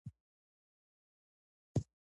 جګړه د ملت شاتګ رامنځته کوي.